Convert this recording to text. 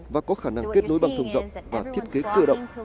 và có khả năng kết nối băng thông rộng và thiết kế cơ động